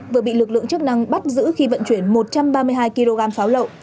vừa bị lực lượng chức năng bắt giữ khi vận chuyển một trăm ba mươi hai kg pháo lậu